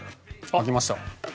開きました。